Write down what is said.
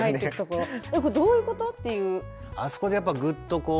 これどういうこと？っていう。